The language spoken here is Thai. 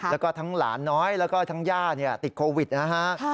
แล้วก็ทั้งหลานน้อยแล้วก็ทั้งย่าติดโควิดนะฮะ